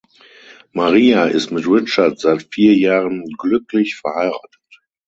Maria ist mit Richard seit vier Jahren glücklich verheiratet.